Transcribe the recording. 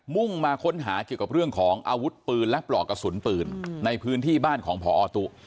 ่งมาค้นหาเกี่ยวกับเรื่องของอาวุธปืนและปลอกกระสุนปืนในพื้นที่บ้านของพอตุ